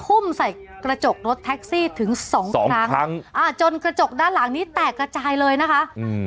ทุ่มใส่กระจกรถแท็กซี่ถึงสองครั้งครั้งอ่าจนกระจกด้านหลังนี้แตกกระจายเลยนะคะอืม